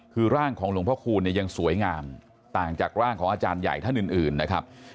คือร่างของหลวงพ่อคูณเนี่ยยังสวยงามต่างจากร่างของอาจารย์ใหญ่ท่านอื่นนะครับ